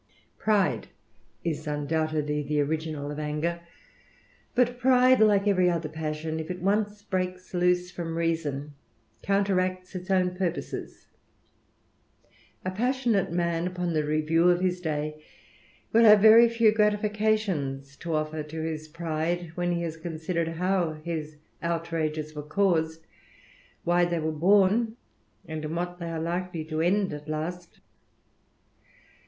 Pride is undoubtedly the original of anger; but pride, liie every other passion, if it once breaks loose from reason, counteracts its own purposes. A passionate man upon the review of his day, will have very few gratifications to offer to his pride, when he has considered how his outrages were caused, why they were borne, and in what they are likely to end at last.